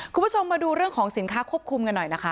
คุณผู้ชมมาดูเรื่องของสินค้าควบคุมกันหน่อยนะคะ